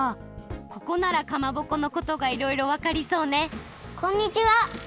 ここならかまぼこのことがいろいろわかりそうねこんにちは。